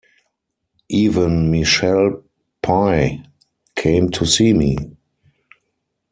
Even Michele Pye came to see me.